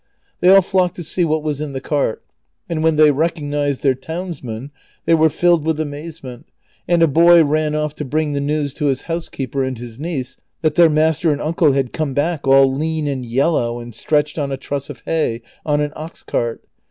They all flocked to see what was in the cart, and when they recognized their townsman they were filled Avith amazement, and a boy ran off to bring the news to his housekeeper and his niece that their master and uncle had come back all lean and yellow and stretched on a truss of hay on an ox cart.